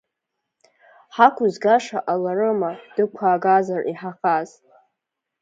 Ҳақәызгаша ҟаларыма, дықәаагазар иҳаӷаз?